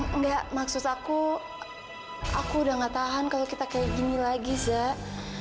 enggak maksud aku aku udah gak tahan kalau kita kayak gini lagi zak